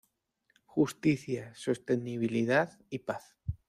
Justicia, sostenibilidad y paz.